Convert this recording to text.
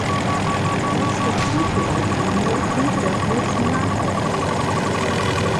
Erste Zug-Leitlinie könnte der Fluss Nahe sein.